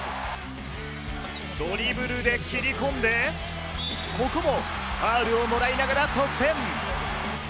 ドリブルで切り込んで、ここもファウルをもらいながら得点。